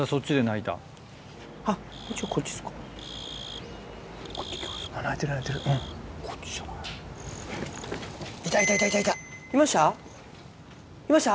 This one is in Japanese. いました？